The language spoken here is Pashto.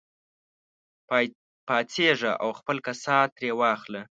پاڅېږه او خپل کسات ترې واخله.